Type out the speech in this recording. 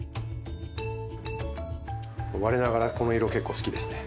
我ながらこの色結構好きですね。